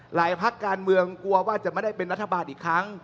พักการเมืองกลัวว่าจะไม่ได้เป็นรัฐบาลอีกครั้ง